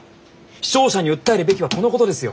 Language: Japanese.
視聴者に訴えるべきはこのことですよ！